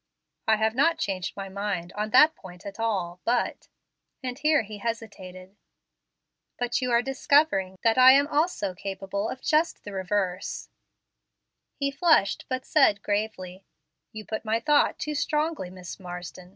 '" "I have not changed my mind on that point at all, but " and here he hesitated. "But you are discovering that I am also capable of just the reverse." He flushed, but said gravely, "You put my thought too strongly, Miss Marsden.